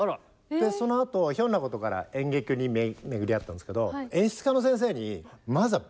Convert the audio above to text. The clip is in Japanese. そのあとひょんなことから演劇に巡り合ったんですけど。